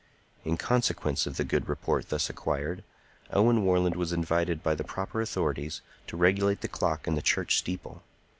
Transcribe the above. In consequence of the good report thus acquired, Owen Warland was invited by the proper authorities to regulate the clock in the church steeple.